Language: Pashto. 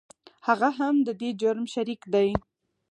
هغه هم د دې جرم شریک دی .